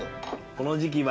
この時期は。